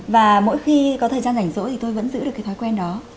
và mỗi khi có thời gian rảnh rỗi thì tôi vẫn giữ được cái thói quen đó